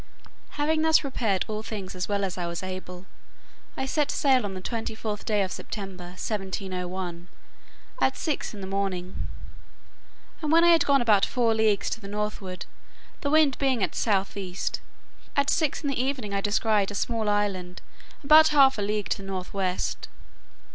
Having thus prepared all things as well as I was able, I set sail on the twenty fourth day of September 1701, at six in the morning; and when I had gone about four leagues to the northward, the wind being at south east, at six in the evening I descried a small island, about half a league to the north west.